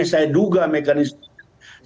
oke jadi saya duga mekanisme